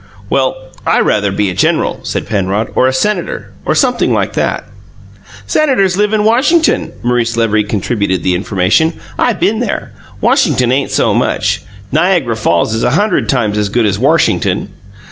"Well, I rather be a general," said Penrod, "or a senator, or sumpthing like that." "Senators live in Warshington," Maurice Levy contributed the information. "I been there. Warshington ain't so much; Niag'ra Falls is a hundred times as good as Warshington.